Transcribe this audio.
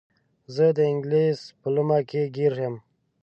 زه د انګلیس په لومه کې ګیر یم.